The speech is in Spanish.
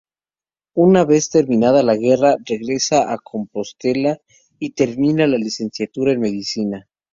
Una vez terminada la guerra regresa a Compostela y termina la licenciatura en Medicina.